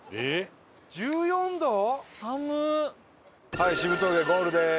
はい渋峠ゴールです。